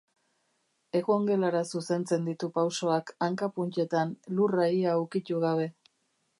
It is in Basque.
Egongelara zuzentzen ditu pausoak, hanka-puntetan, lurra ia ukitu gabe.